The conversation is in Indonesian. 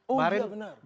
oh iya benar